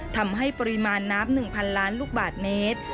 ทำให้ปริมาณน้ำ๑๐๐๐ล้านลูกบาทเมตร